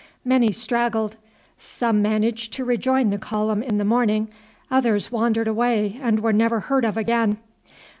Many straggled; some managed to rejoin the column in the morning, others wandered away and were never heard of again.